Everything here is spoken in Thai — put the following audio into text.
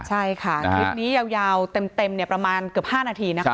ใช่ค่ะคลิปนี้ยาวเต็มประมาณเกือบ๕นาทีนะคะ